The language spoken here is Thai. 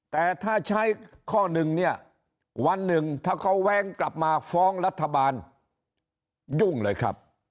แต่ถ้าใช้ข้อหนึ่งเนี่ยวันหนึ่งถ้าเขาแว้งกลับมาฟ้องรัฐบาลยุ่งเลยครับ